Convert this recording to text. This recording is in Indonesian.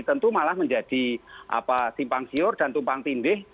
tentu malah menjadi simpang siur dan tumpang tindih